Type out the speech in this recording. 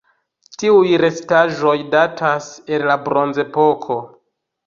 Tiuj restaĵoj datas el la Bronzepoko.